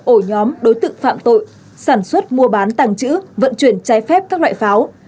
ổ nhóm đối tượng phạm tội sản xuất mua bán tàng trữ vận chuyển trái phép các loại pháo